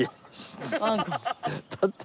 だって。